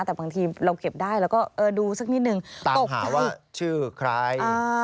แต่บางทีเราเก็บได้แล้วก็ดูสักนิดนึงตกหาว่าชื่อใคร